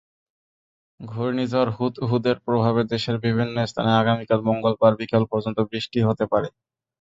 ঘূর্ণিঝড় হুদহুদের প্রভাবে দেশের বিভিন্ন স্থানে আগামীকাল মঙ্গলবার বিকেল পর্যন্ত বৃষ্টি হতে পারে।